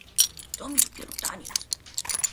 "To mi dopiero taniec!"